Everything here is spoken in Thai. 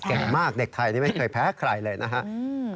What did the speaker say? เก่งมากเด็กไทยนี่ไม่เคยแพ้ใครเลยนะครับ